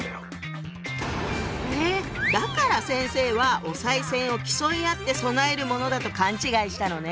えだから先生はお賽銭を競い合って供えるものだと勘違いしたのね。